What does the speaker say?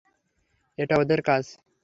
এটা ওদের কাজ।